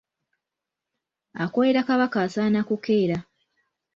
Akolera Kabaka asaana kukeera.